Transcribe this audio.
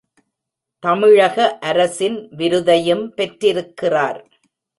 தமிழக அரசின் விருதையும் பெற்றிருக்கிறார்.